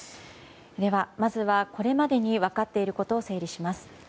では、まずはこれまでに分かっていることを整理します。